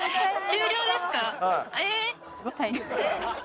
終了ですか？